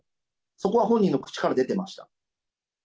そこは本人の口から出てました。